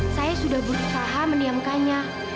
saya sudah berusaha meniamkannya